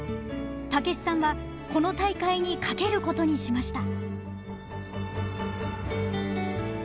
武子さんはこの大会に懸けることにしました。